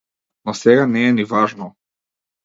Но сега не е ни важно.